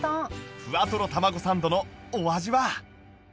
フワトロたまごサンドのお味は？